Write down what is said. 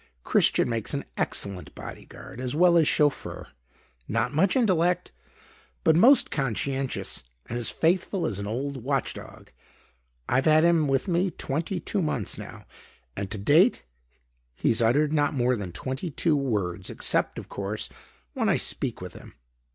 Christian makes an excellent body guard as well as chauffeur. Not much intellect, but most conscientious and as faithful as an old watch dog. I've had him with me twenty two months now and to date he's uttered not more than twenty two words; except, of course, when I speak with him.